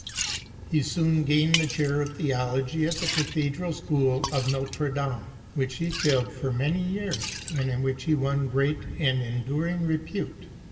6o PETER LOMBARD He soon gained the chair of Theology at the Cathedral School of Notre Dame/ which he filled for many years, and in which he won great and enduring repute.